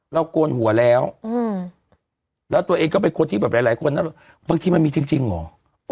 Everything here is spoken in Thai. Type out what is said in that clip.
เราก้นหัวแล้วอืมแล้วตัวเองก็เป็นคนที่แบบหลายหลายคนน่ะบางทีมันมีจริงจริงหรอ